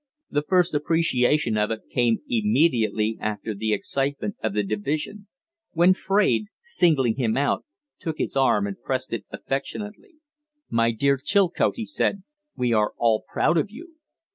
The first appreciation of it came immediately after the excitement of the division, when Fraide, singling him out, took his arm and pressed it affectionately. "My dear Chilcote," he said, "we are all proud of you!"